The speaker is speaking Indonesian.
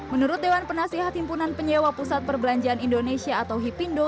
menurut dewan penasehat himpunan penyewa pusat perbelanjaan indonesia atau hipindo